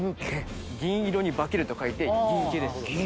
銀色に化けると書いて銀化です。